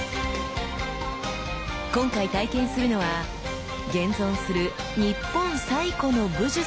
今回体験するのは現存する日本最古の武術ともいわれる流派。